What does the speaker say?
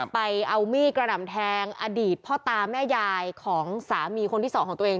ไปเอามีดกระหน่ำแทงอดีตพ่อตาแม่ยายของสามีคนที่สองของตัวเอง